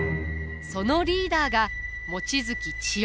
そのリーダーが望月千代。